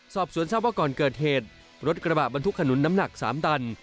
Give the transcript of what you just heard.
สอบสวนทราบว่าก่อนเกิดเหตุรถกระบะบรรทุกขนุนน้ำหนัก๓ตัน